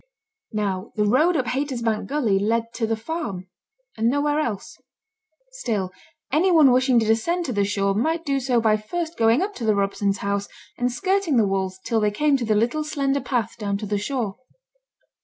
Now the road up Haytersbank gully led to the farm, and nowhere else. Still any one wishing to descend to the shore might do so by first going up to the Robsons' house, and skirting the walls till they came to the little slender path down to the shore.